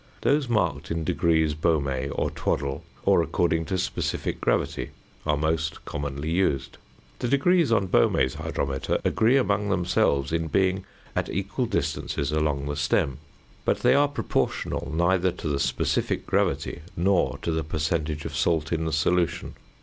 Those marked in degrees Baumé or Twaddell, or according to specific gravity, are most commonly used. The degrees on Baumé's hydrometer agree among themselves in being at equal distances along the stem; but they are proportional neither to the specific gravity, nor to the percentage of salt in the solution.